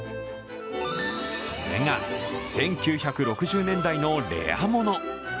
それが１９６０年代のレアもの。